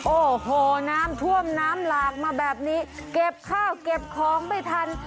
โอ้โหน้ำท่วมน้ำหลากมาแบบนี้เก็บข้าวเก็บของไม่ทัน